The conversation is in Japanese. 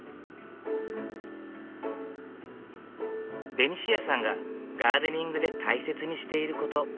ベニシアさんがガーデニングで大切にしていること。